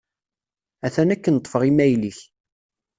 Atan akken ṭṭfeɣ imayl-ik.